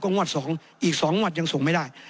อีก๒งวดยังทรงงานไม่ได้